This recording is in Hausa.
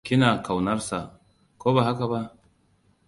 Kina kaunarsa, ko ba haka ba?